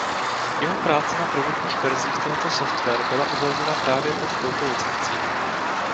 Jeho práce na prvotních verzích tohoto software byla uvolněna právě pod touto licencí.